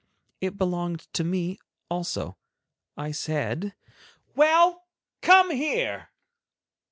It belonged to me also. I said: "Well, come here."